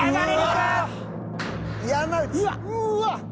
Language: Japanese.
うわっ！